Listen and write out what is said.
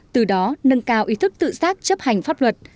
từ đó nâng cao ý thức tự xác chấp hành pháp luật